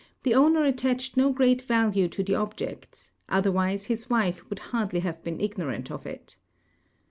the owner attached no great value to the oljects, otherwise his wife could hardly have been ignoi ant of it.